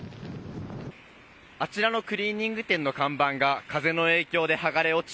あちらのクリーニング店の看板が風の影響で剥がれ落ち